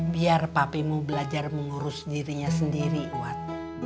biar papimu belajar mengurus dirinya sendiri umat